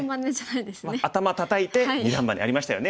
「アタマたたいて二段バネ」ありましたよね。